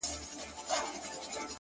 خو هغه زړور زوړ غم ژوندی گرځي حیات دی!